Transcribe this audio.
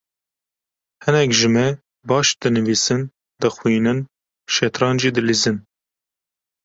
Hinek ji me baş dinivîsin, dixwînin, şetrancê dilîzin.